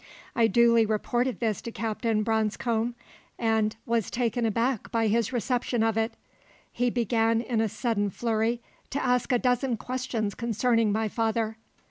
I duly reported this to Captain Branscome, and was taken aback by his reception of it. He began in a sudden flurry to ask a dozen questions concerning my father.